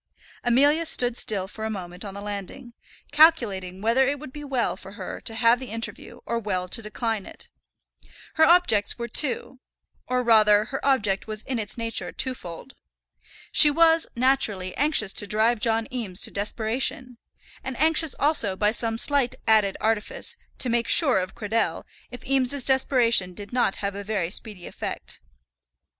Amelia stood still for a moment on the landing, calculating whether it would be well for her to have the interview, or well to decline it. Her objects were two; or, rather, her object was in its nature twofold. She was, naturally, anxious to drive John Eames to desperation; and anxious also, by some slight added artifice, to make sure of Cradell if Eames's desperation did not have a very speedy effect.